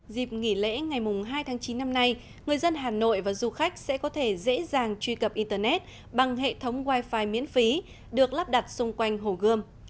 dịp nghỉ lễ ngày hai tháng chín năm nay người dân hà nội và du khách sẽ có thể dễ dàng truy cập internet bằng hệ thống wifi miễn phí được lắp đặt xung quanh hồ gươm